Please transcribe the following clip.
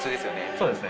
そうですね。